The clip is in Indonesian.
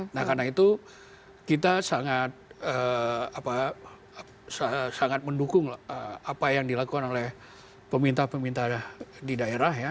nah karena itu kita sangat mendukung apa yang dilakukan oleh peminta peminta di daerah